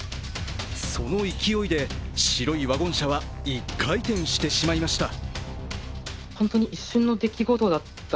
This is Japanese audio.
その勢いで白いワゴン車は１回転してしまいました。